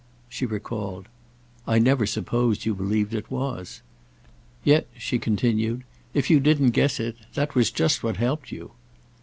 She recalled. "I never supposed you believed it was. Yet," she continued, "if you didn't guess it that was just what helped you."